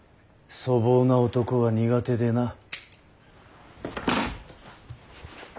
粗暴な男は苦手でな。